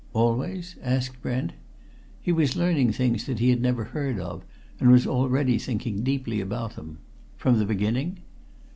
"Always?" asked Brent. He was learning things that he had never heard of, and was already thinking deeply about them. "From the beginning?"